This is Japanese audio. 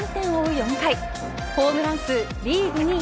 ４回ホームラン数リーグ２位